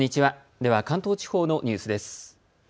では関東地方のニュースです。